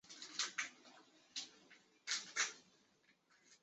他积极扩张真腊国土。